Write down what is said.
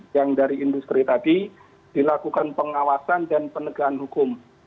yang dari industri tadi dilakukan pengawasan dan penegahan hukum